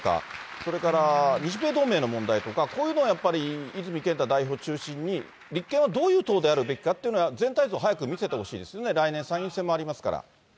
それから、日米同盟の問題とか、こういうのをやっぱり、泉健太代表を中心に、立憲はどういう党であるべきかっていうのは全体像を早く見せてほしいですね、来年、参院選もありますから。